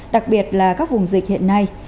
đặc biệt là các vùng dịch hiện nay